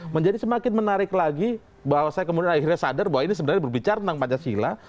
menjadi semakin menarik lagi bahwa saya kemudian akhirnya sadar bahwa ini sebenarnya berbicara tentang pancasila